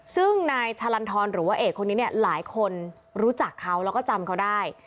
ซึ่งนายชาลันทรหรือว่าเอกคนนี้เนี่ยหลายคนรู้จักเขาแล้วก็จำเขาได้